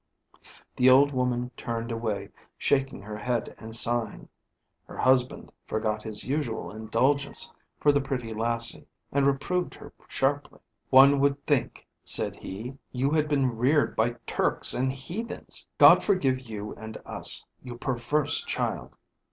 The old woman turned away, shaking her head and sighing; her husband forgot his usual indulgence for the pretty lassie, and reproved her sharply. "One would think," said he, "you had been reared by Turks and heathens; God forgive you and us, you perverse child."